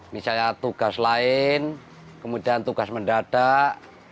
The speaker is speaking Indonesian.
misalnya tugas lain kemudian tugas mendadak